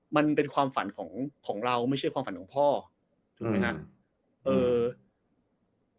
มันเป็นความฝันของเราไม่ใช่ความฝันของพ่อถูกไหมครับ